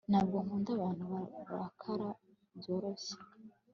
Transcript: Ntabwo nkunda abantu barakara byoroshye